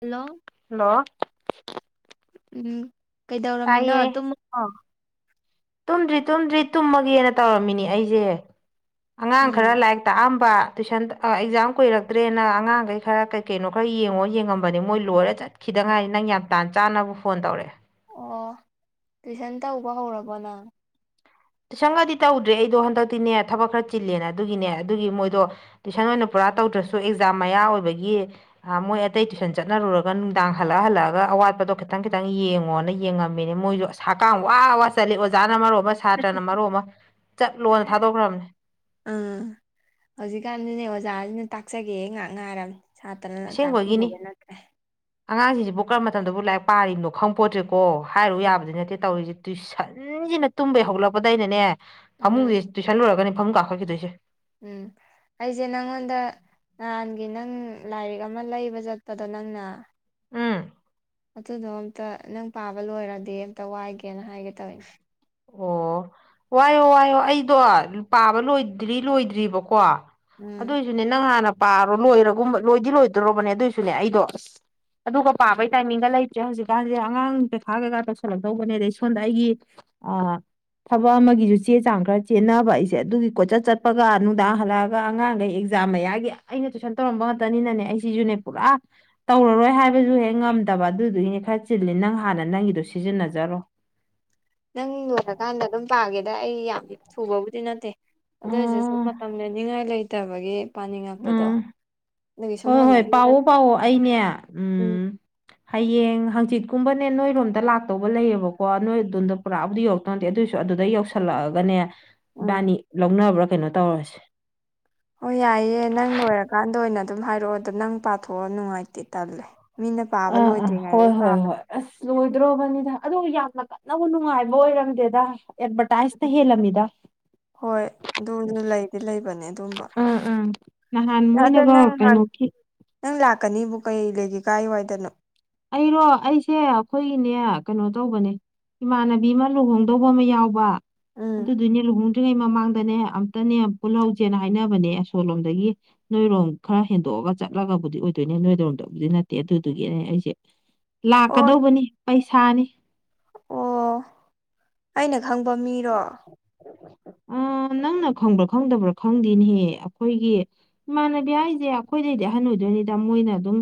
Hello hello ꯎꯝ ꯀꯩꯗꯧꯔꯝꯃꯤꯅꯣ ꯇꯥꯏꯌꯦ ꯇꯨꯝꯃꯕꯣ ꯇꯨꯝꯗ꯭ꯔꯤ ꯇꯨꯝꯗ꯭ꯔꯤ ꯇꯨꯝꯃꯒꯦꯅ ꯇꯧꯔꯝꯃꯤꯅꯦ ꯑꯩꯁꯦ ꯑꯉꯥꯡ ꯈꯔ ꯎꯝ ꯂꯥꯏꯔꯤꯛ ꯇꯥꯛꯑꯝꯕ ꯇꯨꯏꯁꯟ ꯑꯦꯛꯖꯥꯝ ꯀꯨꯏꯔꯛꯇ꯭ꯔꯦꯅ ꯑꯉꯥꯡꯈꯩ ꯈꯔ ꯀꯩ ꯀꯩꯅꯣ ꯈꯔ ꯌꯦꯡꯉꯣ ꯌꯦꯡꯉꯝꯕꯅꯤ ꯃꯣꯏ ꯂꯣꯏꯔ ꯆꯠ ꯈꯤꯗꯉꯥꯏꯔꯤ ꯅꯪ ꯌꯥꯝ ꯇꯥꯟ ꯆꯥꯅꯕ ꯐꯣꯟ ꯇꯧꯔꯛꯑꯦ ꯑꯣ ꯇꯨꯏꯁꯟ ꯇꯧꯕ ꯍꯧꯔꯕꯣ ꯅꯪ ꯇꯨꯏꯁꯟ ꯒꯗꯤ ꯇꯧꯗ꯭ꯔꯦ ꯑꯩꯗꯣ ꯍꯟꯗꯛꯇꯤꯅꯦ ꯊꯕꯛ ꯈꯔ ꯆꯤꯜꯂꯦꯅ ꯑꯗꯨꯒꯤꯅꯦ ꯑꯗꯨꯒꯤ ꯃꯣꯏꯗꯣ ꯇꯨꯏꯁꯟ ꯑꯣꯏꯅ ꯄꯨꯔꯥ ꯇꯧꯗ꯭ꯔꯁꯨ ꯑꯦꯛꯖꯥꯝ ꯃꯌꯥ ꯑꯣꯏꯕꯒꯤ ꯃꯣꯏ ꯑꯇꯩ ꯇꯨꯏꯁꯟ ꯆꯠꯅꯔꯨꯔꯒ ꯅꯨꯡꯗꯥꯡ ꯍꯜꯂꯛꯑ ꯍꯜꯂꯛꯑꯒ ꯑꯋꯥꯠꯄꯗꯣ ꯈꯤꯇꯪ ꯈꯤꯇꯪ ꯌꯦꯡꯉꯣꯅ ꯌꯦꯡꯉꯝꯃꯤꯅꯦ ꯃꯣꯏꯁꯨ ꯑꯁ ꯍꯥꯀꯥꯝ ꯋꯥ ꯋꯥ ꯆꯜꯂꯤ ꯑꯣꯖꯥꯅ ꯃꯔꯣꯝꯃ ꯁꯥꯇ꯭ꯔꯅ ꯃꯔꯣꯝ ꯑꯃ ꯆꯠꯂꯣꯅ ꯊꯥꯗꯣꯛꯈ꯭ꯔꯕꯅꯤ ꯑꯥ ꯍꯧꯖꯤꯛꯀꯥꯟꯗꯨꯅꯦ ꯑꯣꯖꯥꯁꯤꯅ ꯇꯥꯛꯆꯒꯦ ꯉꯥꯛ ꯉꯥꯏꯔꯝ ꯁꯥꯇ꯭ꯔ ꯑꯁꯦꯡꯕꯒꯤꯅꯤ ꯇꯥꯛꯄꯤꯌꯣꯕ ꯅꯠꯇ꯭ꯔꯦ ꯑꯉꯥꯡꯁꯤꯡꯁꯤꯕꯨ ꯀꯔꯝꯕ ꯃꯇꯝꯗꯕꯨ ꯂꯥꯏꯔꯤꯛ ꯄꯥꯔꯤꯅꯣ ꯈꯪꯄꯣꯠꯇ꯭ꯔꯦꯀꯣ ꯍꯥꯏꯔꯨ ꯌꯥꯕꯗꯤ ꯅꯠꯇꯦ ꯇꯧꯔꯤꯁꯤ ꯇꯨꯏꯁꯟꯁꯤꯅ ꯇꯨꯝꯕꯩ ꯍꯧꯒꯠꯂꯛꯄꯗꯩꯩꯅꯅꯦ ꯐꯃꯨꯡꯁꯦ ꯎꯝ ꯇꯨꯏꯁꯟ ꯂꯣꯏꯔꯒꯅꯦ ꯐꯃꯨꯡ ꯀꯥꯈꯠꯈꯤꯗꯣꯏꯁꯦ ꯎꯝ ꯑꯩꯁꯦ ꯅꯉꯣꯟꯗ ꯅꯍꯥꯟꯒꯤ ꯅꯪ ꯂꯥꯏꯔꯤꯛ ꯑꯃ ꯂꯩꯕ ꯆꯠꯄꯗꯣ ꯅꯪꯅ ꯎꯝ ꯑꯗꯨꯗꯣ ꯑꯝꯇ ꯅꯪ ꯄꯥꯕ ꯂꯣꯏꯔꯗꯤ ꯑꯝꯇ ꯋꯥꯏꯒꯦꯅ ꯍꯥꯏꯒꯦ ꯇꯧꯅꯦ ꯑꯣ ꯋꯥꯏꯌꯣ ꯋꯥꯏꯌꯣ ꯑꯩꯗꯣ ꯄꯥꯕ ꯂꯣꯏꯗ꯭ꯔꯤ ꯂꯣꯏꯗ꯭ꯔꯤꯕꯀꯣ ꯎꯝ ꯑꯗꯣꯏꯁꯨꯅꯦ ꯅꯪ ꯍꯥꯟꯅ ꯄꯥꯔꯣ ꯂꯣꯏꯔꯒꯨꯝꯕ ꯂꯣꯏꯗꯤ ꯂꯣꯏꯗꯣꯔꯕꯅꯦ ꯑꯗꯣꯏꯁꯨꯅꯦ ꯑꯩꯗꯣ ꯑꯗꯨꯒ ꯄꯥꯕꯩ ꯇꯥꯏꯃꯤꯡꯗ ꯂꯩꯇ꯭ꯔꯦ ꯍꯧꯖꯤꯛꯀꯥꯟꯁꯦ ꯑꯉꯥꯡꯒꯤ ꯄꯩꯈꯥ ꯀꯩꯀꯥ ꯇꯧꯁꯤꯜꯂꯛꯇꯧꯕꯅꯦ ꯑꯗꯩ ꯁꯣꯟꯗꯑꯩꯒꯤ ꯑ ꯊꯕꯛ ꯑꯃꯒꯤꯁꯨ ꯆꯦ ꯆꯥꯡ ꯈꯔ ꯆꯦꯟꯅꯕ ꯑꯩꯁꯦ ꯑꯗꯨꯒꯤ ꯀꯣꯆꯠ ꯆꯠꯄꯒ ꯅꯨꯡꯗꯥꯡ ꯍꯜꯂꯛꯑꯒ ꯑꯉꯥꯡꯈꯩ ꯑꯦꯛ ꯖꯥꯝ ꯃꯌꯥꯒꯤ ꯑꯩꯅ ꯇꯨꯏꯁꯟ ꯇꯧꯔꯝꯕ ꯉꯥꯛꯇꯅꯤꯅꯅꯦ ꯑꯩꯁꯤꯁꯨꯅꯦ ꯄꯨꯔꯥ ꯇꯧꯔꯔꯣꯏ ꯍꯥꯏꯕꯁꯨ ꯍꯦꯛ ꯉꯝꯗꯕ ꯑꯗꯨꯗꯨꯒꯤꯅꯦ ꯈꯔ ꯆꯤꯜꯂꯤ ꯅꯪ ꯍꯥꯟꯅ ꯅꯪꯒꯤꯗꯣ ꯁꯤꯖꯤꯟꯅꯖꯔꯣ ꯅꯪ ꯂꯣꯏꯔꯀꯥꯟꯗ ꯑꯗꯨꯝ ꯄꯥꯒꯦꯗ ꯑꯩ ꯌꯥꯝꯗꯤ ꯊꯨꯕꯕꯨꯗꯤ ꯅꯠꯇꯦ ꯑꯗꯨꯏꯁꯨ ꯁꯨꯝ ꯑꯣ ꯃꯇꯝ ꯂꯦꯟꯅꯤꯉꯥꯏ ꯂꯩꯇꯕꯒꯤ ꯄꯥꯅꯤꯡꯉꯛꯄꯗꯣ ꯎꯝ ꯑꯗꯨꯒꯤ ꯁꯨꯝ ꯍꯣꯏ ꯍꯣꯏ ꯍꯪꯉꯛꯏ ꯄꯥꯎꯑꯣ ꯄꯥꯎꯑꯣ ꯑꯩꯅꯦ ꯎꯝ ꯍꯌꯦꯡ ꯍꯥꯡꯆꯤꯠꯀꯨꯝꯕꯅꯦ ꯅꯣꯏꯔꯣꯝꯗ ꯂꯥꯛꯇꯧꯕ ꯂꯩꯌꯦꯕꯀꯣ ꯅꯣꯏ ꯑꯗꯣꯝꯗ ꯄꯨꯔꯥꯕꯨꯗꯤ ꯌꯧꯔꯛꯇꯧꯇꯦ ꯑꯗꯨꯑꯣꯏꯁꯨ ꯑꯗꯨꯗ ꯌꯧꯁꯤꯜꯂꯛꯑꯒꯅꯦ ꯎꯝ ꯏꯕꯥꯅꯤ ꯂꯧꯅꯕ꯭ꯔꯥ ꯀꯩꯅꯣ ꯇꯧꯔꯁꯦ ꯍꯣꯏ ꯌꯥꯏꯌꯦ ꯅꯪ ꯂꯣꯏꯔꯀꯥꯟꯗ ꯑꯣꯏꯅ ꯑꯗꯨꯝ ꯍꯥꯏꯔꯛꯑꯣ ꯑꯗꯣ ꯅꯪ ꯄꯥꯊꯣꯛꯑꯣ ꯅꯨꯡꯉꯥꯏꯇꯦ ꯇꯜꯂꯦ ꯃꯤꯅ ꯄꯥꯕ ꯑꯥ ꯑꯥ ꯍꯣꯏ ꯂꯣꯏꯗ꯭ꯔꯤꯉꯩꯗꯩ ꯍꯣꯏ ꯍꯣꯏ ꯄꯥꯕꯗꯣ ꯑꯁ ꯂꯣꯏꯗ꯭ꯔꯣꯕꯅꯤꯗ ꯑꯗꯨ ꯌꯥꯝꯅ ꯀꯟꯅꯕꯨ ꯅꯨꯡꯉꯥꯏꯕ ꯑꯣꯏꯔꯝꯗꯦꯗ ꯑꯦꯗꯚꯔꯇꯥꯏꯖꯅ ꯍꯦꯜꯂꯝꯃꯤꯗ ꯍꯣꯏ ꯑꯗꯨ ꯂꯩꯗꯤ ꯂꯩꯕꯅꯦ ꯑꯗꯨꯝꯕ ꯎꯝ ꯎꯝ ꯅꯍꯥꯟ ꯅꯡ ꯑꯗꯣ ꯃꯣꯏꯅꯒ ꯅꯪ ꯅꯍꯥꯟ ꯀꯩꯅꯣꯒꯤ ꯅꯪ ꯂꯥꯛꯀꯅꯤꯕꯨ ꯀꯩ ꯂꯩꯒꯦ ꯀꯥꯏ ꯋꯥꯏꯗꯅꯣ ꯑꯩꯔꯣ ꯑꯩꯁꯦ ꯑꯩꯈꯣꯏꯅꯦ ꯀꯩꯅꯣ ꯇꯧꯕꯅꯦ ꯏꯃꯥꯟꯅꯕꯤ ꯑꯃ ꯂꯨꯍꯣꯡꯗꯧꯕ ꯑꯃ ꯌꯥꯎꯕ ꯎꯝ ꯑꯗꯨꯗꯨꯅꯦ ꯂꯨꯍꯣꯡ ꯇ꯭ꯔꯤꯉꯩ ꯃꯃꯥꯡꯗꯅꯦ ꯑꯝꯇꯅꯦ ꯄꯨꯜꯍꯧꯁꯦꯅ ꯍꯥꯏꯅꯕꯅꯦ ꯑꯁꯣꯂꯣꯝꯗꯒꯤ ꯅꯣꯏꯔꯣꯝ ꯈꯔ ꯍꯦꯟꯗꯣꯛꯑꯒ ꯆꯠꯂꯒꯕꯨꯗꯤ ꯑꯣꯏꯗꯣꯏꯅꯦ ꯅꯣꯏꯔꯣꯝꯗꯕꯨꯗꯤ ꯅꯠꯇꯦ ꯑꯗꯨꯗꯨꯒꯤꯅꯦ ꯑꯩꯁꯦ ꯑꯣ ꯂꯥꯛꯀꯗꯧꯕꯅꯤ ꯄꯩꯁꯥꯅꯤ ꯑꯣ ꯍꯣ ꯑꯩꯅ ꯈꯪꯕ ꯃꯤꯔꯣ ꯑ ꯅꯪꯅ ꯈꯪꯕ꯭ꯔꯥ ꯈꯪꯗꯕ꯭ꯔꯥ ꯈꯪꯗꯦꯅꯦꯍꯦ ꯑꯩꯈꯣꯏꯒꯤ ꯏꯃꯥꯟꯅꯕꯤ ꯍꯥꯏꯁꯦ ꯑꯩꯈꯣꯏꯗꯩꯗꯤ ꯑꯍꯟ ꯑꯣꯏꯗꯣꯏꯅꯤꯗ ꯃꯣꯏꯅ ꯑꯗꯨꯝ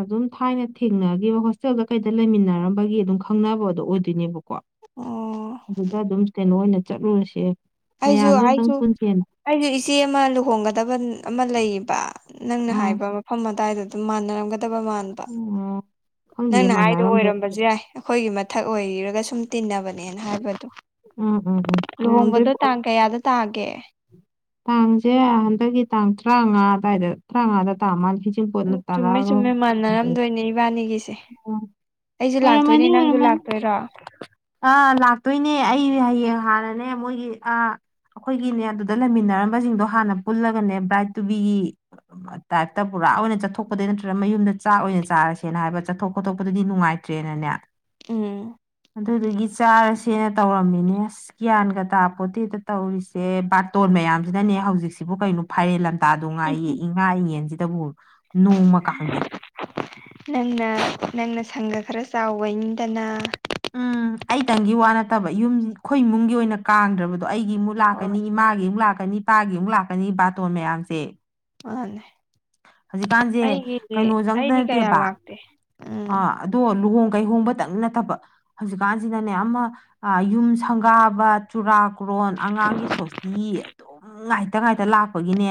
ꯑꯗꯨꯝ ꯊꯥꯏꯅ ꯊꯦꯡꯅꯈꯤꯕ ꯍꯣꯁꯇꯦꯜꯗ ꯀꯩꯗ ꯂꯩꯃꯤꯟꯅꯔꯝꯕꯒꯤ ꯑꯗꯨꯝ ꯈꯪꯅꯕꯗꯣ ꯑꯣꯏꯗꯣꯏꯅꯦꯕꯀꯣ ꯑꯣ ꯑꯗꯨꯗ ꯑꯗꯨꯝ ꯀꯩꯅꯣ ꯑꯣꯏꯅ ꯆꯠꯂꯨꯔꯁꯦ ꯑꯩꯁꯨ ꯃꯌꯥꯝꯗꯣ ꯑꯝꯇꯪ ꯑꯩꯁꯨ ꯄꯨꯟꯁꯦꯅ ꯑꯩꯁꯨ ꯏꯆꯦ ꯑꯃ ꯂꯨꯍꯣꯡꯒꯗꯕ ꯑꯃ ꯂꯩꯌꯦꯕ ꯅꯪꯅ ꯑꯥ ꯍꯥꯏꯕ ꯃꯐꯝ ꯑꯗꯨꯋꯥꯏꯗ ꯑꯗꯨꯝ ꯃꯥꯟꯅꯔꯝꯒꯗꯕ ꯕ ꯑꯣ ꯈꯪꯗꯦꯌꯦ ꯅꯪꯅ ꯍꯥꯏꯗꯣ ꯃꯥꯟꯅꯔꯝꯗꯣꯏ ꯑꯣꯏꯔꯝꯕꯁꯨ ꯌꯥꯏ ꯑꯩꯈꯣꯏꯒꯤ ꯃꯊꯛ ꯑꯣꯏꯔꯒ ꯁꯨꯝ ꯇꯤꯟꯅꯕꯅꯦꯅ ꯍꯥꯏꯕꯗꯣ ꯎꯝ ꯎꯝ ꯎꯝ ꯑꯣꯏꯔꯝꯗꯣꯏ ꯂꯨꯍꯣꯡꯕꯗꯣ ꯇꯥꯡ ꯄꯣꯠꯅꯤ ꯀꯌꯥꯗ ꯇꯥꯒꯦ ꯇꯥꯡꯁꯦ ꯍꯟꯗꯛꯀꯤ ꯇꯥꯡ ꯇꯔꯥꯉꯥ ꯑꯗꯨꯋꯥꯏꯗ ꯇꯔꯥꯉꯥꯗ ꯇꯃꯥꯂꯦ ꯆꯤꯡꯄꯣꯠꯅ [unintelligible] ꯏꯕꯅꯤꯒꯤꯁꯤ ꯎꯝ ꯑꯣꯏꯔꯝꯃꯅꯤ ꯑꯣꯏꯔꯝꯃꯅꯤ ꯂꯥꯛꯇꯣꯏꯔꯣ ꯑꯥ ꯂꯥꯛꯇꯣꯏꯅꯦ ꯑꯩ ꯍꯌꯦꯡ ꯍꯥꯟꯅꯅꯦ ꯃꯣꯏꯒꯤ ꯑ ꯑꯩꯈꯣꯏꯒꯤꯅꯦ ꯑꯗꯨꯗ ꯂꯩꯃꯤꯟꯅꯔꯝꯕꯁꯤꯡꯗꯣ ꯍꯥꯟꯅ ꯄꯨꯜꯂꯒꯅꯦ ꯕ꯭ꯔꯥꯏꯠ ꯇꯨꯕꯤꯒꯤ ꯇꯥꯏꯞꯇ ꯄꯨꯔꯥ ꯑꯣꯏꯅ ꯆꯠꯊꯣꯛꯄꯗꯤ ꯅꯠꯇ꯭ꯔꯒ ꯃꯌꯨꯝꯗ ꯆꯥꯛ ꯑꯣꯏꯅ ꯆꯥꯔꯁꯦꯅ ꯍꯥꯏꯕ ꯆꯠꯊꯣꯛ ꯈꯣꯠꯇꯣꯛꯄꯗꯗꯤ ꯅꯨꯡꯉꯥꯏꯇ꯭ꯔꯦꯅꯅꯦ ꯎꯝ ꯑꯗꯨꯗꯨꯒꯤ ꯆꯥꯔꯁꯦꯅ ꯇꯧꯔꯝꯃꯤꯅꯦ ꯑꯁ ꯒꯌꯥꯟꯒ ꯇꯥꯄꯣꯠꯇꯦꯗ ꯇꯧꯔꯤꯁꯦ ꯕꯥꯇꯣꯟ ꯃꯌꯥꯝꯁꯤꯅꯅꯦ ꯍꯧꯖꯤꯛꯁꯤꯕꯨ ꯀꯩꯅꯣ ꯐꯥꯏꯔꯦꯟ ꯂꯝꯇꯥꯗꯣ ꯉꯥꯏꯌꯦ ꯏꯉꯥ ꯏꯉꯦꯟꯁꯤꯗꯕꯨ ꯅꯣꯡꯃꯀꯥꯡꯗꯦ ꯅꯪꯅ ꯅꯪꯅ ꯁꯪꯒ ꯈꯔ ꯆꯥꯎꯕꯩꯅꯤꯗꯅ ꯎꯝ ꯑꯩꯇꯪꯒꯤ ꯋꯥ ꯅꯠꯇꯕ ꯌꯨꯝ ꯑꯩꯈꯣꯏ ꯏꯃꯨꯡꯒꯤ ꯑꯣꯏꯅ ꯀꯥꯡꯗ꯭ꯔꯕꯗꯣ ꯑꯩꯒꯤ ꯏꯃꯨꯛ ꯍꯣꯏ ꯂꯥꯛꯀꯅꯤ ꯏꯃꯥꯒꯤ ꯑꯃꯨꯛ ꯂꯥꯛꯀꯅꯤ ꯏꯄꯥꯒꯤ ꯑꯃꯨꯛ ꯂꯥꯛꯀꯅꯤ ꯕꯥꯇꯣꯟ ꯃꯌꯥꯝꯁꯦ ꯃꯥꯅꯦ ꯍꯧꯖꯤꯛꯀꯥꯟꯁꯦ ꯑꯩꯒꯤꯗꯤ ꯀꯩꯅꯣꯖꯪꯇ ꯑꯩꯗꯤ ꯀꯌꯥ ꯅꯠꯇꯦꯕ ꯂꯥꯛ ꯑꯥ ꯑꯗꯣ ꯂꯨꯍꯣꯡ ꯀꯩꯍꯣꯡꯕꯇꯪ ꯅꯠꯇꯕ ꯍꯧꯖꯤꯛꯀꯥꯟꯁꯤꯅꯅꯦ ꯑꯃ ꯌꯨꯝ ꯁꯪꯒꯥꯕ ꯆꯨꯔꯥꯛ ꯀ꯭ꯔꯣꯟ ꯑꯉꯥꯡꯒꯤ ꯁꯣꯁꯇꯤ ꯑꯗꯨꯝ ꯉꯥꯏ ꯇꯥ ꯉꯥꯏꯇ ꯂꯥꯛꯄꯒꯤꯅꯦ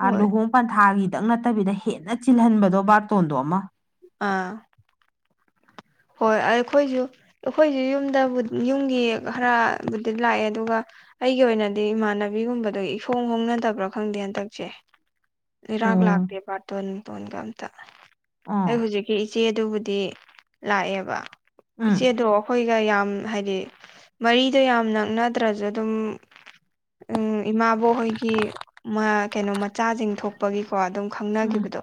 ꯍꯣꯏ ꯂꯨꯍꯣꯡ ꯄꯟꯊꯥꯒꯤ ꯈꯤꯇꯪ ꯅꯠꯇꯕꯤꯗ ꯍꯦꯟꯅ ꯆꯤꯜꯍꯟꯕꯗꯣ ꯕꯥꯔꯇꯣꯟꯗꯣ ꯑꯃ ꯑꯥ ꯍꯣꯏ ꯑꯩꯈꯣꯏꯁꯨ ꯑꯩꯈꯣꯏꯁꯨ ꯌꯨꯝꯗ ꯌꯨꯝꯒꯤ ꯈꯔꯕꯨꯗꯤ ꯂꯥꯛꯑꯦ ꯑꯗꯨꯒ ꯑꯩꯒꯤ ꯑꯣꯏꯅꯗꯤ ꯏꯃꯥꯟꯅꯕꯤꯒꯨꯝꯕꯗꯣ ꯏꯍꯣꯡ ꯍꯣꯡꯅꯗꯕ꯭ꯔꯥ ꯈꯪꯗꯦ ꯍꯟꯗꯛꯁꯦ ꯏꯔꯥꯛ ꯎꯝ ꯂꯥꯛꯇꯦ ꯕꯥꯔꯇꯣꯟ ꯅꯨꯡꯇꯣꯟꯒ ꯑꯝꯇ ꯑꯩ ꯑꯥ ꯍꯧꯖꯤꯛ ꯏꯆꯦꯗꯨꯕꯨꯗꯤ ꯂꯥꯛꯑꯦꯕ ꯎꯝ ꯏꯆꯦꯗꯣ ꯑꯩꯈꯣꯏꯒ ꯌꯥꯝ ꯍꯥꯏꯗꯤ ꯃꯔꯤꯗꯣ ꯌꯥꯝ ꯅꯛꯅꯗ꯭ꯔꯁꯨ ꯑꯗꯨꯝ ꯎꯝ ꯏꯃꯥꯕꯣꯛ ꯍꯣꯏꯒꯤ ꯀꯩꯅꯣ ꯃꯆꯥꯁꯤꯡ ꯊꯣꯛꯄꯒꯤꯀꯣ ꯑꯗꯨꯝ ꯎꯝ ꯈꯪꯅꯒꯤꯕꯗꯣ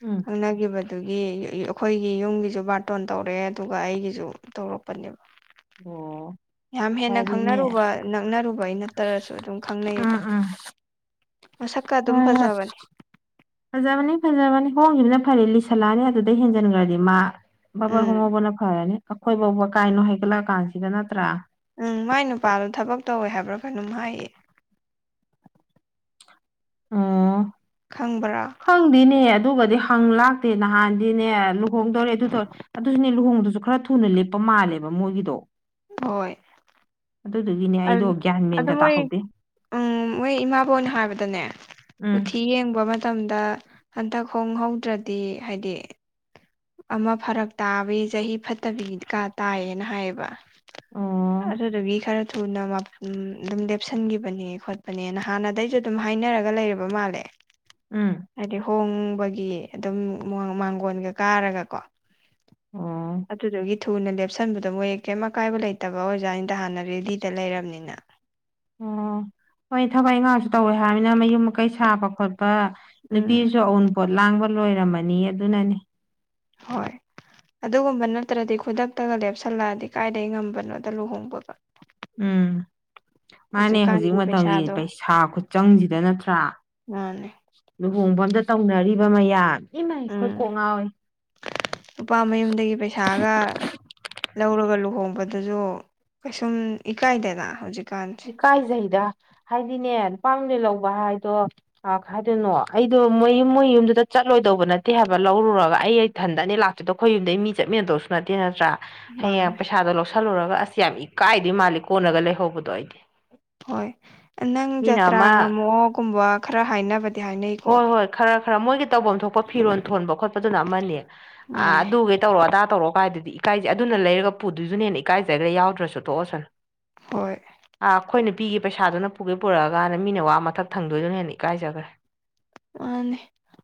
ꯎꯝ ꯈꯪꯅꯒꯤꯕꯗꯨꯒꯤ ꯑꯩꯈꯣꯏꯒꯤ ꯌꯨꯝꯒꯤꯁꯨ ꯕꯥ ꯇꯣꯟ ꯇꯧꯔꯛꯑꯦ ꯑꯗꯨꯒ ꯑꯩꯒꯤꯁꯨ ꯇꯧꯔꯛꯄꯅꯦꯕ ꯑꯣ ꯌꯥꯝ ꯍꯦꯟꯅ ꯐꯔꯦꯅꯦ ꯈꯪꯅꯔꯨꯕ ꯅꯛꯅꯔꯨꯕꯩ ꯅꯠꯇ꯭ꯔꯁꯨ ꯑꯗꯨꯝ ꯈꯪꯅꯩꯌꯦꯕ ꯎꯝ ꯎꯝ ꯃꯁꯛꯀ ꯑꯗꯨꯝ ꯍꯣꯏ ꯍꯣꯏ ꯐꯖꯕꯅꯦ ꯐꯖꯕꯅꯤ ꯐꯖꯕꯅꯤ ꯍꯣꯡꯈꯤꯕꯗꯨꯅ ꯐꯔꯦ ꯂꯤꯁꯜꯂꯛꯑꯅꯤ ꯑꯗꯨꯗꯩ ꯍꯦꯟꯖꯤꯟꯈ꯭ꯔꯗꯤ ꯃꯥ ꯕꯥꯕꯔ ꯎꯝ ꯍꯣꯡꯉꯧꯕꯅ ꯐꯔꯅꯤ ꯑꯩꯈꯣꯏ ꯐꯥꯎꯕ ꯀꯥꯏꯅꯣ ꯍꯥꯏꯒꯠꯂꯛꯑ ꯀꯥꯟꯁꯤꯗ ꯅꯠꯇ꯭ꯔꯥ ꯎꯝ ꯃꯥꯏ ꯅꯨꯄꯥꯗꯣ ꯊꯕꯛ ꯇꯧꯋꯦ ꯍꯥꯏꯕ꯭ꯔꯥ ꯀꯩꯅꯣꯝ ꯍꯥꯏꯌꯦ ꯑꯣ ꯈꯪꯕꯔꯥ꯫ ꯍꯪꯗꯦꯅꯦꯍꯦ ꯑꯗꯨꯒꯗꯤ ꯍꯪ ꯂꯥꯛꯇꯦ ꯅꯍꯥꯟꯗꯤꯅꯦ ꯂꯨꯍꯣꯡꯗꯧꯔꯦ ꯑꯗꯨ ꯇꯧꯔꯦ ꯑꯗꯨꯁꯨꯅꯦ ꯂꯨꯍꯣꯡꯕꯗꯨꯁꯨ ꯈꯔ ꯊꯨꯅ ꯂꯦꯞꯄ ꯃꯥꯜꯂꯦꯕ ꯃꯣꯏꯒꯤꯗꯣ꯫ ꯍꯣꯏ꯫ ꯑꯗꯨ ꯗꯨꯒꯤꯅꯦ ꯑꯪ ꯑꯗꯨ ꯃꯣꯏ꯫ ꯎꯝ ꯃꯣꯏ ꯏꯃꯥꯕꯣꯛꯅ ꯍꯥꯏꯕꯗꯅꯦ ꯎꯝ ꯀꯨꯊꯤ ꯌꯦꯡꯕ ꯃ ꯃꯇꯝꯗ ꯍꯟꯇꯛ ꯍꯣꯡꯍꯧꯗ꯭ꯔꯗꯤ ꯍꯥꯏꯗꯤ꯫ ꯑꯃ ꯐꯔꯛ ꯇꯥꯕꯩ ꯆꯍꯤ ꯐꯠꯇꯕꯤ ꯀꯥ ꯇꯥꯏꯌꯦꯅ ꯍꯥꯏꯌꯦꯕ꯫ ꯑꯣ ꯑꯗꯨ ꯗꯨꯒꯤ ꯈꯔ ꯊꯨꯅ ꯃꯞ ꯎꯝ ꯑꯗꯨꯝ ꯂꯦꯞꯁꯟꯈꯤꯕꯅꯦ ꯈꯣꯠꯄꯅꯦꯅ ꯍꯥꯟꯅꯗꯩꯁꯨ ꯑꯗꯨꯝ ꯍꯥꯏꯅꯔꯒ ꯂꯩꯔꯕ ꯃꯥꯜꯂꯦ꯫ ꯎꯝ꫰꫰ ꯍꯥꯏꯗꯤ ꯍꯣꯡꯕꯒꯤ ꯑꯗꯨꯝ ꯃꯥꯡꯒꯣꯟꯒ ꯀꯥꯔꯒꯀꯣ꯫ ꯑꯣ ꯑꯗꯨꯗꯨꯒꯤ꯫ ꯊꯨꯅ ꯂꯦꯞꯁꯟꯕꯗꯣ ꯃꯣꯏ ꯀꯩꯝ ꯑꯀꯥꯏꯕ ꯂꯩꯇꯕ ꯑꯣꯖꯥꯅꯤꯗ ꯍꯥꯟꯅ ꯔꯦꯗꯤꯗ ꯂꯩꯔꯝꯅꯤꯅ꯫ ꯑꯣ ꯍꯣꯏ ꯊꯕꯛ ꯏꯪꯈꯥꯡꯁꯨ ꯇꯧꯋꯦ ꯍꯥꯏꯕꯅꯤꯅ ꯃꯌꯨꯝ ꯃꯀꯩ ꯁꯥꯕ ꯈꯣꯠꯄ꯫ ꯎꯝ ꯅꯨꯄꯤꯁꯨ ꯑꯎꯟꯄꯣꯠ ꯂꯥꯡꯕ ꯂꯣꯏꯔꯝꯃꯅꯤ ꯑꯗꯨꯅꯅꯦ꯫ ꯍꯣꯏ꯫ ꯑꯗꯨꯒꯨꯝꯕ ꯅꯠꯇ꯭ꯔꯗꯤ ꯈꯨꯗꯛꯇꯒ ꯂꯦꯞꯁꯜꯂꯛꯑꯗꯤ ꯀꯥꯏꯗꯩ ꯉꯝꯕꯅꯣꯗ ꯂꯨꯍꯣꯡꯕꯒ꯫ ꯎꯝ꯫ ꯃꯥꯅꯦ ꯍꯧꯖꯤꯛ ꯍꯧꯖꯤꯛꯀꯥꯟꯗꯤ ꯃꯇꯝꯒꯤ ꯄꯩꯁꯥꯗꯣ ꯄꯩꯁꯥ ꯈꯨꯠ ꯆꯪꯁꯤꯗ ꯅꯠꯇ꯭ꯔꯥ꯫ ꯃꯥꯅꯦ ꯂꯨꯍꯣꯡꯕꯝꯗ ꯇꯧꯅꯔꯤꯕ ꯃꯌꯥꯝ ꯏꯃꯥꯏ ꯑꯩꯈꯣꯏ ꯎꯝ ꯀꯣꯛ ꯉꯥꯎꯋꯤ꯫ ꯅꯨꯄꯥ ꯃꯌꯨꯝꯗꯒꯤ ꯄꯩꯁꯥꯒ꯫ ꯂꯧꯔꯒ ꯂꯨꯍꯣꯡꯕꯗꯨꯖꯨ ꯀꯩꯁꯨꯝ ꯏꯀꯥꯏꯗꯅ ꯍꯧꯖꯤꯛꯀꯥꯟ꫰꫰ ꯏꯀꯥꯏꯖꯩꯗ ꯍꯥꯏꯗꯤꯅꯦ ꯅꯨꯄꯥꯥ ꯃꯌꯨꯝꯗꯩꯩ ꯂꯧꯕ ꯍꯥꯏꯗꯣ ꯑ ꯈꯥꯏꯗꯣꯏꯅꯣ ꯑꯩꯗꯣ ꯃꯣꯏ ꯃꯣꯏ ꯌꯨꯝꯗꯨꯗ ꯆꯠꯂꯣꯏꯗꯧꯕ ꯅꯠꯇꯦ ꯍꯥꯏꯕ ꯂꯧꯔꯨꯔꯒ ꯑꯩ ꯑ ꯏꯊꯟꯗꯅꯦ ꯂꯥꯛꯇꯣꯏꯗꯣ ꯑꯩꯈꯣꯏ ꯌꯨꯝꯗꯩ ꯃꯤ ꯆꯠꯃꯤꯟꯅꯗꯧꯁꯨ ꯅꯠꯇꯦ ꯅꯠꯇ꯭ꯔꯥ꯫ ꯍꯌꯦꯡ ꯃꯥꯅꯦ ꯄꯩꯁꯥꯗꯣ ꯂꯧꯁꯜꯂꯨꯔꯒ ꯑꯁ ꯌꯥꯝ ꯏꯀꯥꯏꯗꯣꯏ ꯃꯥꯜꯂꯤ ꯀꯣꯟꯅꯒ ꯂꯩꯍꯧꯕꯗꯣ ꯑꯩꯗꯤ ꯍꯣꯏ ꯅꯪ ꯃꯤꯅ ꯖꯇ꯭ꯔꯥ ꯑꯃ ꯉꯝꯃꯛꯑꯣ ꯒꯨꯝꯕ ꯈꯔ ꯍꯥꯏꯅꯕꯗꯤ ꯍꯥꯏꯅꯩꯀꯣ꯫ ꯍꯣꯏ ꯍꯣꯏ ꯈꯔ ꯈꯔ ꯃꯣꯏꯒꯤ ꯇꯧꯐꯝ ꯊꯣꯛꯄ ꯐꯤꯔꯣꯟ ꯊꯣꯟꯕ ꯈꯣꯠꯄꯗꯨꯅ ꯑꯃꯅꯤ ꯑꯥ ꯃꯥꯅꯦ ꯑꯗꯨꯒꯩ ꯇꯧꯔꯣ ꯑꯗꯥ ꯇꯧꯔꯣ ꯀꯥꯏꯗꯨꯗꯤ ꯏꯀꯥꯏꯖꯩ ꯑꯗꯨꯅ ꯂꯩꯔꯒ ꯄꯨꯗꯣꯏꯗꯨꯅ ꯍ‌ꯦꯟꯅ ꯏꯀꯥꯏꯖꯒꯔꯦ ꯌꯥꯎꯗ꯭ꯔꯁꯨ ꯇꯣꯛꯑꯁꯟ ꯍꯣꯏ꯫ ꯑꯩꯈꯣꯏꯅ ꯄꯤꯈꯤꯕ ꯄꯩꯁꯥꯗꯨꯅ ꯄꯨꯒꯩ ꯄꯨꯔꯛꯑꯒ ꯃꯤꯅ ꯋꯥ ꯃꯊꯛ ꯊꯪꯗꯣꯏꯗꯨꯅ ꯍꯦꯟꯅ ꯏꯀꯥꯏꯖꯈ꯭ꯔꯦ꯫ ꯃꯥꯅꯦ꯫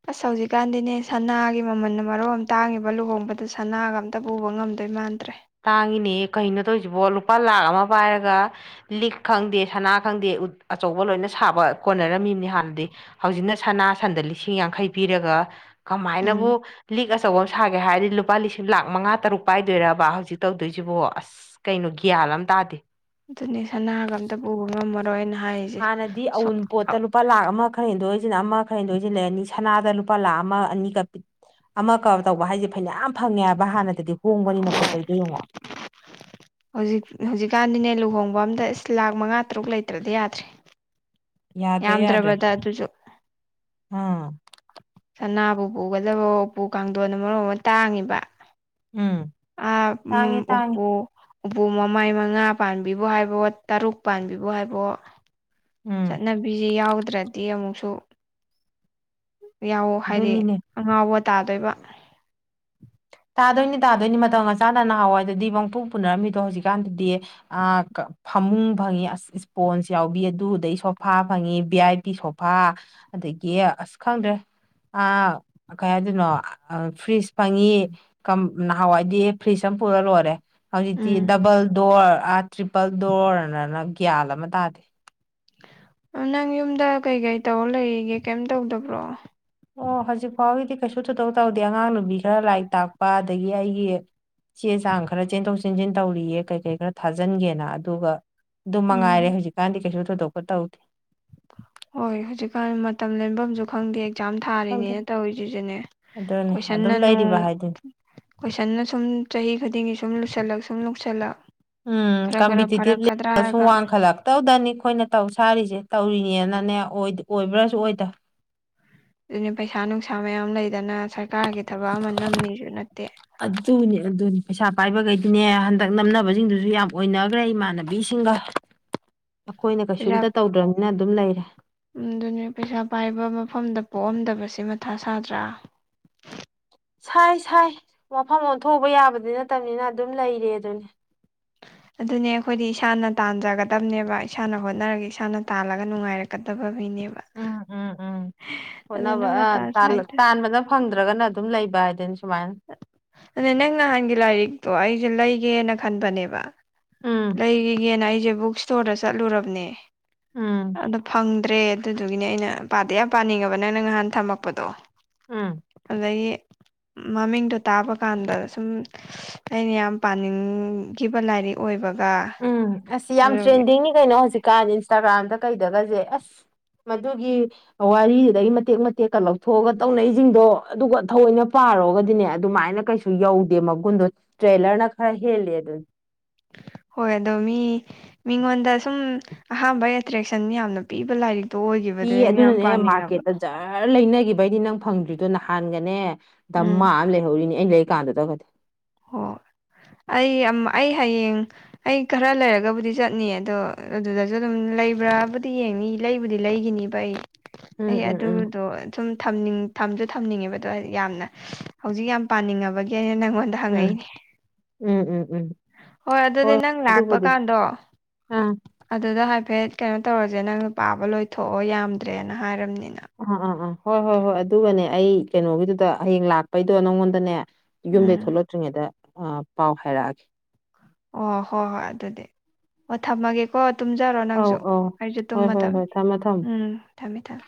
ꯑꯁ ꯍꯧꯖꯤꯛꯀꯥꯟꯗꯤꯅꯦ ꯁꯅꯥꯒꯤ ꯃꯃꯜꯅ ꯃꯔꯣꯟ ꯑꯃ ꯇꯥꯡꯉꯤꯕ ꯂꯨꯍꯣꯡꯕꯗ ꯁꯅꯥꯒ ꯑꯝ ꯇ ꯄꯨꯕ ꯉꯝꯗꯣꯏ ꯃꯥꯟꯗ꯭ꯔꯦ꯫ ꯇꯥꯡꯉꯤꯅꯦ ꯀꯩꯅꯣ ꯇꯧꯔꯤꯁꯤꯕꯣ ꯂꯨꯄꯥ ꯂꯥꯛ ꯑꯃ ꯄꯥꯏꯔꯒ꯫ ꯂꯤꯛ ꯈꯪꯗꯦ ꯁꯅꯥ ꯈꯪꯗꯦ ꯑꯆꯧꯕ ꯂꯣꯏꯅ ꯁꯥꯕ ꯀꯣꯟꯅꯔꯝꯃꯤꯝꯅꯤ ꯍꯥꯟꯅꯗꯤ꯫ ꯍꯧꯖꯤꯛꯅ ꯁꯅꯥ ꯁꯟꯗ ꯂꯤꯁꯤꯡ ꯌꯥꯡꯈꯩ ꯄꯤꯔꯒ꯫ ꯎꯝ ꯀꯃꯥꯏꯅꯕꯨ ꯂꯤꯛ ꯑꯆꯧꯕ ꯑꯃ ꯁꯥꯒꯦ ꯍꯥꯏꯔꯗꯤ ꯂꯨꯄꯥ ꯂꯤꯁꯤꯡ ꯂꯥꯛ ꯃꯉꯥ ꯇꯔꯨꯛ ꯄꯥꯏꯗꯣꯏꯔꯕ꯫ ꯍꯧꯖꯤꯛ ꯇꯧꯗꯣꯏꯁꯤꯕꯣ ꯑꯁ ꯀꯩꯅꯣ ꯒ꯭ꯌꯥꯟ ꯑꯝ ꯇꯥꯗꯦ꯫ ꯑꯗꯨꯅꯦ ꯁꯅꯥꯒ ꯑꯝꯇ ꯄꯨꯕ ꯉꯝꯃꯔꯣꯏꯅ꯫ ꯍꯥꯏꯔꯤꯁꯦ ꯍꯥꯟꯅꯗꯤ ꯑꯋꯨꯟꯄꯣꯠꯇ ꯂꯨꯄꯥ ꯂꯥꯛ ꯑꯃ꯫ ꯈꯔ ꯍꯦꯟꯗꯣꯛ ꯍꯦꯟꯖꯤꯟ ꯑꯃ ꯈꯔ ꯍꯦꯟꯗ‌ꯣꯛ ꯍ‌ꯦꯟꯖꯤꯟ ꯂꯩꯔꯅꯤ ꯁꯅꯥꯗ ꯂꯨꯄꯥ ꯂꯥꯛ ꯑꯃ ꯑꯅꯤꯒ ꯑꯃ ꯀꯝ ꯇꯧꯕ ꯍꯥꯏꯁꯦ ꯐꯅꯌꯥꯝ ꯐꯪꯉꯦ ꯍꯥꯏꯕ ꯍꯥꯟꯅꯗꯗꯤ ꯍꯣꯡꯕꯅꯤꯅ ꯄꯣꯠ ꯍꯣꯏ ꯆꯩꯁ‌ꯦ ꯌꯦꯡꯉꯣ꯫ ꯍꯧꯖꯤꯛ ꯍꯧꯖꯤꯛꯀꯥꯟꯗꯤꯅꯦ ꯂꯨꯍꯣꯡꯕ ꯑꯝꯗ ꯏꯁ ꯂꯥꯛ ꯃꯉꯥ ꯇꯔꯨꯛ ꯂꯩꯇ꯭ꯔꯗꯤ ꯌꯥꯗ꯭ꯔꯦ꯫ [inaudible] ꯌꯥꯗ꯭ꯔꯦ ꯌꯥꯗ꯭ꯔꯦ ꯌꯥꯝꯗ꯭ꯔꯕꯗ ꯑꯗꯨꯁꯨ ꯑꯥ꯫ ꯁꯅꯥꯕꯨ ꯄꯨꯒꯗꯕꯑꯣ ꯎꯄꯨ ꯀꯥꯡꯊꯣꯟ ꯃꯔꯣꯟ ꯑꯃ ꯇꯥꯡꯉꯤꯕ꯫ ꯎꯝ ꯑ ꯇꯥꯡꯉꯦ ꯎꯝ ꯇꯥꯡꯉꯦ ꯎꯄꯨ꯫ ꯎꯄꯨ ꯃꯃꯥꯏ ꯃꯉꯥ ꯄꯥꯟꯕꯤꯕꯨ ꯍꯥꯏꯕꯣ ꯇꯔꯨꯛ ꯄꯥꯟꯕꯤꯕꯖ ꯍꯥꯏꯕ‌ꯑꯣ ꯎꯝ ꯆꯠꯅꯕꯤꯁꯦ ꯌꯥꯎꯗ꯭ꯔꯗꯤ ꯑꯃꯨꯛꯁꯨ ꯌꯥꯎ ꯍꯥꯏꯗꯤ ꯑꯗꯨꯅꯤꯅꯦ ꯑꯉꯥꯎꯕ ꯇꯥꯗꯣꯏꯕ ꯇꯥꯗꯣꯏꯅꯤ ꯇꯥꯗꯣꯏꯅꯤ ꯃꯇꯝꯒ ꯆꯥꯅꯥꯅ ꯅꯍꯥꯟꯋꯥꯏ ꯗꯗꯤ ꯄꯪꯄꯨ ꯄꯨꯅꯔꯝꯃꯤꯗꯣ ꯍꯧꯖꯤꯛꯀꯥꯟꯗꯗꯤ ꯑꯥ ꯐꯃꯨꯡ ꯐꯪꯉꯤ ꯑꯁ ꯏꯁꯄꯣꯟꯁ ꯌꯥꯎꯕꯤ ꯑꯗꯨꯗꯩ ꯁꯣꯐꯥ ꯐꯪꯉꯤ ꯚꯤ ꯑꯥꯏ ꯄꯤ ꯁꯣꯐꯥ ꯑꯗꯒꯤ ꯑꯁ ꯈꯪꯗ꯭ꯔꯦ ꯑ ꯀꯩ ꯍꯥꯏꯗꯣꯏꯅꯣ ꯐ꯭ꯔꯤꯖ ꯐꯪꯏ ꯅꯍꯥꯟꯋꯥꯏꯗꯤ ꯐ꯭ꯔꯤꯖ ꯑꯃ ꯄꯨꯔ ꯂꯣꯏꯔꯦ ꯍꯧꯖꯤꯛꯇꯤ ꯎꯝ ꯗꯕꯜ ꯗꯣꯔ ꯑꯥ ꯇ꯭ꯔꯤꯄꯜ ꯗꯣꯔ ꯍꯥꯏꯗꯅ ꯒ꯭ꯌꯥꯟ ꯑꯃ ꯇꯥꯗꯦ ꯅꯪ ꯌꯨꯝꯗ ꯀꯩ ꯀꯩ ꯇꯧꯔ ꯂꯩꯔꯤꯒꯦ ꯀꯩꯝ ꯇꯧꯗꯕ꯭ꯔꯣ ꯑꯣ ꯍꯧꯖꯤꯛ ꯐꯥꯎꯒꯤꯗꯤ ꯀꯩꯁꯨ ꯊ‌ꯣꯏꯗ‌ꯣꯛ ꯇꯧꯗꯦ ꯑꯉꯥꯡ ꯅꯨꯕꯤ ꯈꯔ ꯂꯥꯏꯔꯤꯛ ꯇꯥꯛꯄ ꯑꯗꯒꯤ ꯑꯩꯒꯤ ꯆꯦ ꯆꯥꯡ ꯈꯔ ꯆꯦꯟꯊꯣꯛ ꯆꯦꯟꯁꯤꯟ ꯇꯧꯔꯤꯌꯦ ꯀꯩ ꯀꯩ ꯈꯔ ꯊꯥꯖꯤꯟꯒꯦꯅ ꯑꯗꯨꯒ ꯑꯗꯨ ꯎꯝ ꯃꯉꯥꯏꯔꯦ ꯍꯧꯖꯤꯛꯀꯥꯟꯗꯤ ꯀꯩꯁꯨ ꯊꯣꯏꯗꯣꯛꯄ ꯇꯧ ꯍꯣꯏ ꯍꯧꯖꯤꯛꯀꯥꯟ ꯃꯇꯝ ꯂꯦꯟꯐꯝꯁꯨ ꯈꯪꯗꯦ ꯑꯦꯛꯖꯥꯝ ꯈꯪꯗꯦ ꯊꯥꯔꯤꯅꯦꯅ ꯇꯧꯔꯤꯁꯤꯁꯨꯅꯦ ꯑꯗꯨꯅꯤ ꯑꯗꯨꯝ ꯀꯣꯏꯁꯟꯅ ꯅꯨꯡ ꯂꯩꯔꯤꯕ ꯍꯥꯏꯗꯨꯅꯤ ꯀꯣꯏꯁꯟꯅ ꯁꯨꯝ ꯆꯍꯤ ꯈꯨꯗꯤꯡꯒꯤ ꯁꯨꯝ ꯁꯨꯝ ꯂꯨꯁꯜꯂꯛ ꯁꯨꯝ ꯂꯨꯁꯜꯂꯛ ꯎꯝ ꯈꯔ ꯈꯔ ꯐꯔꯛꯀꯗ꯭ꯔꯥ ꯍꯥꯏꯔꯒ ꯇꯧꯗꯅꯤ ꯑꯩꯈꯣꯏꯅ ꯇꯧ ꯁꯥꯔꯤꯁꯦ ꯇꯧꯔꯤꯅꯦꯅꯅꯦ ꯑꯣꯏꯕ꯭ꯔꯥꯁꯨ ꯑꯣꯏꯗ ꯑꯗꯨꯅꯤ ꯄꯩꯁꯥ ꯅꯨꯡꯁꯥ ꯃꯌꯥꯝ ꯂꯩꯗꯅ ꯁꯔꯀꯥꯔꯒꯤ ꯊꯕꯛ ꯑꯃ ꯅꯝꯅꯤꯁꯨ ꯅꯠꯇꯦ ꯑꯗꯨꯅꯤ ꯑꯗꯨꯅꯤ ꯄꯩꯁꯥ ꯄꯥꯏꯕꯈꯩꯗꯤꯅꯦ ꯍꯟꯗꯛ ꯅꯝꯅꯕꯁꯤꯡꯗꯨꯁꯨ ꯌꯥꯝ ꯑꯣꯏꯅꯈ꯭ꯔꯦ ꯏꯃꯥꯟꯅꯕꯤꯁꯤꯡꯒ [inaudible] ꯑꯩꯈꯣꯏꯅ ꯀꯩꯁꯨꯝꯇ ꯇꯧꯗ꯭ꯔꯕꯅꯤꯅ ꯑꯗꯨꯝ ꯂꯩꯔꯦ ꯎꯝ ꯑꯗꯨꯅꯦ ꯄꯩꯁꯥ ꯄꯥꯏꯕ ꯃꯐꯝꯗ ꯄꯣꯛꯑꯝꯗꯕꯁꯦ ꯃꯊꯥ ꯁꯥꯗ꯭ꯔꯥ ꯁꯥꯏ ꯁꯥꯏ ꯃꯐꯝ ꯑꯣꯟꯊꯣꯛꯎꯕ ꯌꯥꯕꯗꯤ ꯅꯠꯇꯕꯅꯤꯅ ꯑꯗꯨꯝ ꯂꯩꯔꯦ ꯑꯗꯨꯅꯤ ꯑꯗꯨꯅꯦ ꯑꯩꯈꯣꯏꯗꯤ ꯏꯁꯥꯅ ꯇꯥꯟꯖꯒꯗꯕꯅꯦꯕ ꯏꯁꯥꯅ ꯍꯣꯠꯅꯔꯒ ꯏꯁꯥꯅ ꯇꯥꯜꯂꯒ ꯅꯨꯡꯉꯥꯏꯔꯛ ꯀꯗꯕ ꯃꯤꯅꯦꯕ ꯎꯝ ꯎꯝ ꯎꯝ ꯑꯗꯨꯅ ꯍꯣꯠꯅꯕ ꯑ ꯃꯇꯥ ꯁꯥꯏꯗ ꯇꯥꯟꯕꯗ ꯐꯪꯗ꯭ꯔꯒꯅ ꯑꯗꯨꯝ ꯂꯩꯕ ꯍꯥꯏꯗꯨꯅꯤ ꯁꯨꯃꯥꯏꯅ ꯑꯗꯨ ꯅꯪ ꯅꯍꯥꯟꯒꯤ ꯂꯥꯏꯔꯤꯛꯇꯣ ꯑꯩꯁꯨ ꯂꯩꯒꯦꯅ ꯈꯟꯕꯅꯦꯕ ꯎꯝ ꯂꯩꯔꯒꯦꯅ ꯑꯩꯁꯦ ꯕꯨꯛ ꯏꯁꯇꯣꯔꯗ ꯆꯠꯂꯨꯔꯕꯅꯦ ꯎꯝ ꯑꯗ‌ꯣ ꯐꯪ ꯗ꯭ꯔꯦ ꯑꯗꯨꯗꯨꯒꯤꯅꯦ ꯑꯩꯅ ꯄꯥꯗꯤ ꯌꯥꯝ ꯄꯥꯅꯤꯡꯉ‌ꯦꯕ ꯅꯪꯅ ꯅꯍꯥꯟ ꯊꯝꯃꯛꯄꯗꯣ ꯎꯝ ꯑꯗꯒꯤ ꯃꯃꯤꯡꯗꯣ ꯇꯥꯕ ꯀꯥꯟꯗ ꯁꯨꯝ ꯑꯩꯅ ꯌꯥꯝ ꯄꯥꯅꯤꯡꯈꯤꯕ ꯂꯥꯏꯔꯤꯛ ꯑꯣꯏꯕꯒ ꯎꯝ ꯑꯁ ꯌꯥꯝ ꯑꯗꯨꯒꯤ ꯇ꯭ꯔꯦꯟꯗꯤꯡꯅꯤ ꯀꯩꯅꯣ ꯍꯧꯖꯤꯛꯀꯥꯟꯗꯤ ꯏꯟꯁꯇꯥꯒ꯭ꯔꯥꯝꯗ ꯀꯩꯗꯒꯁꯦ ꯑꯁ ꯃꯗꯨꯒꯤ ꯋꯥꯔꯤꯁꯤꯗꯒꯤ ꯃꯇꯦꯛ ꯃꯇꯦꯛꯀ ꯂꯧꯊꯣꯛꯑꯒ ꯇꯧꯅꯩꯁꯤꯡꯗꯣ ꯑꯗꯨꯒ ꯊꯑꯣꯏꯅ ꯄꯥꯔꯨꯔꯒꯗꯤꯅꯦ ꯑꯗꯨꯃꯥꯏꯅ ꯀꯩꯁꯨ ꯨ ꯌꯧꯗꯦ ꯃꯒꯨꯟꯗꯣ ꯇ꯭ꯔꯦꯂꯔꯅ ꯈꯔ ꯍꯦꯜꯂꯦ ꯗꯨꯅꯤ ꯍꯣꯏꯗꯣ ꯃꯤ ꯃꯤꯉꯣꯟꯗ ꯁꯨꯝ ꯑꯍꯥꯥꯟꯕ ꯑꯦꯇ꯭ꯔꯦꯛꯁꯟ ꯌꯥꯝꯅ ꯄꯤꯕ ꯂꯥꯏꯔꯤꯛ ꯇꯣ ꯑꯣꯏꯈꯤꯕꯗꯩ ꯑꯩꯗ‌ꯣ ꯌꯥꯝ ꯄꯥꯅꯤꯡꯉꯕ [unintelligible] ꯂꯩꯅꯈꯤꯕꯩꯅꯤ ꯅꯪ ꯐꯪꯗ꯭ꯔꯤꯗꯣ ꯅꯍꯥꯟꯒꯅꯦ ꯎꯝ ꯗꯃꯥ ꯑꯃ ꯂꯩꯍꯧꯔꯤꯅꯤ ꯑꯩꯅ ꯀꯥꯟꯗ ꯗꯨꯕꯨꯗꯤ ꯍ‌ꯣꯏ ꯑꯩ ꯑꯃ ꯑꯩ ꯍꯥꯌꯦꯡ ꯑꯩ ꯈꯔ ꯂꯩꯔꯒꯕꯨꯗꯤ ꯆꯠꯅꯤ ꯑꯗꯣ ꯑꯗꯨꯗꯁꯨ ꯑꯗꯨꯝ ꯂꯩꯕ꯭ꯔꯥꯕꯨꯗꯤ ꯌꯦꯡꯅꯤ ꯂꯩꯕꯨꯗꯤ ꯂꯩꯒꯤꯅꯤꯕ ꯑꯩ ꯎꯝ ꯑꯩ ꯎꯝ ꯎꯝ ꯑꯗꯨꯗꯣ ꯁꯨꯝ ꯊꯝꯅꯤꯡ ꯊꯝꯁꯨ ꯊꯝꯅꯤꯡꯉꯦꯕꯗꯣ ꯌꯥꯝꯅ ꯍꯧꯖꯤꯛ ꯌꯥꯝ ꯄꯥꯅꯤꯡꯉꯕꯒꯤ ꯑꯩꯅ ꯅꯪꯉꯣꯟꯗ ꯎꯝ ꯍꯪꯉꯛꯏꯅꯤ ꯎꯝ ꯎꯝ ꯎꯝ ꯍꯣꯏ ꯑꯗꯨꯗꯤ ꯅꯪ ꯂꯥꯛꯄ ꯀꯥꯟꯗꯣ ꯑꯥ ꯑꯗꯨꯗ ꯍꯥꯏꯐꯦꯠ ꯀꯩꯅꯣ ꯇꯧꯔꯁꯦ ꯅꯪꯅ ꯄꯥꯕ ꯂꯣꯏꯊꯣꯛꯑꯣ ꯌꯥꯝꯗ꯭ꯔꯦꯅ ꯍꯥꯏꯔꯝꯅꯤꯅ ꯑꯥ ꯑꯥ ꯑꯥ ꯍꯣꯏ ꯍꯣꯏ ꯍꯣꯏ ꯑꯗꯨꯒꯅꯦ ꯑꯩ ꯀꯩꯅꯣꯒꯤꯗꯨꯗ ꯍꯌꯦꯡ ꯂꯥꯛꯄꯩꯗꯣ ꯅꯪꯉꯣꯟꯗꯅꯦ ꯌꯨꯝꯗꯩ ꯎꯝ ꯊꯣꯛꯂꯛꯇ꯭ꯔꯤꯉꯩꯗ ꯑ ꯄꯥꯎ ꯍꯥꯏꯔꯛꯑꯒꯦ ꯑꯣ ꯍꯣꯏ ꯍꯣꯏ ꯑꯗꯨꯗꯤ ꯍꯣꯏ ꯊꯝꯃꯒꯦ ꯀꯣ ꯇꯨꯝꯖꯔꯣ ꯑꯧ ꯅꯪꯁꯨ ꯑꯧ ꯑꯩꯁꯨ ꯍꯣꯏ ꯍꯣꯏ ꯍꯣꯏ ꯇꯨꯝꯃꯗꯕꯅꯤ ꯊꯝꯃꯣ ꯊꯝꯃꯣ ꯎꯝ ꯊꯝꯃꯦ ꯊꯝꯃꯦ